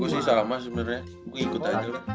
gue sih sama sebenarnya gue ikut aja